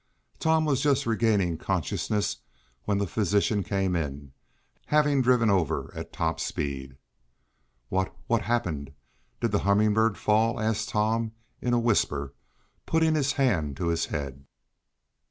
Tom was just regaining consciousness when the physician came in, having driven over at top speed. "What what happened? Did the Humming Bird fall?" asked Tom in a whisper, putting his hand to his head.